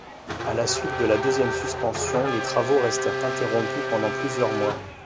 À la suite de la deuxième suspension, les travaux restèrent interrompus pendant plusieurs mois.